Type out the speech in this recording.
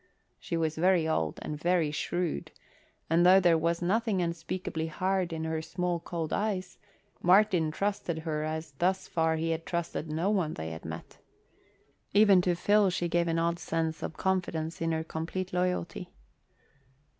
She was very old and very shrewd, and though there was something unspeakably hard in her small, cold eyes, Martin trusted her as thus far he had trusted no one they had met. Even to Phil she gave an odd sense of confidence in her complete loyalty.